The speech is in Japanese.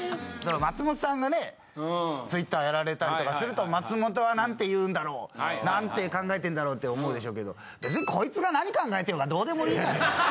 松本さんがねＴｗｉｔｔｅｒやられたりとかすると松本は何て言うんだろう何て考えてんだろうって思うでしょうけど別にこいつが何考えてようがどうでもいい。